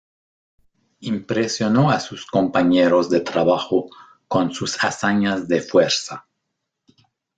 Impresionó a sus compañeros de trabajo con sus hazañas de fuerza.